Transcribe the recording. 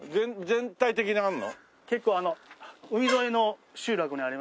結構海沿いの集落にありますね。